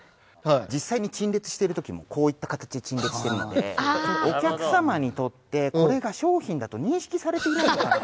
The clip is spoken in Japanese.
実際に陳列している時もこういった形で陳列してるのでお客様にとってこれが商品だと認識されていないかなと。